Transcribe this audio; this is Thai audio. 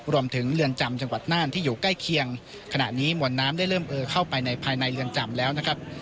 เรือนจำจังหวัดน่านที่อยู่ใกล้เคียงขณะนี้มวลน้ำได้เริ่มเออเข้าไปในภายในเรือนจำแล้วนะครับ